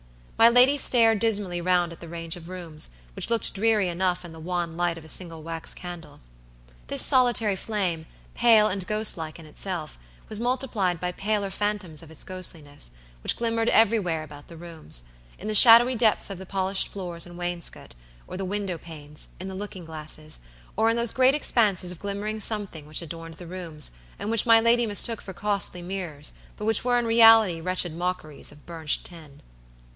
My lady stared dismally round at the range of rooms, which looked dreary enough in the wan light of a single wax candle. This solitary flame, pale and ghost like in itself, was multiplied by paler phantoms of its ghostliness, which glimmered everywhere about the rooms; in the shadowy depths of the polished floors and wainscot, or the window panes, in the looking glasses, or in those great expanses of glimmering something which adorned the rooms, and which my lady mistook for costly mirrors, but which were in reality wretched mockeries of burnished tin.